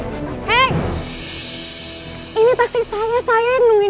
saya berharap maksinya tak nah businesses opening di pantai di situ co confidence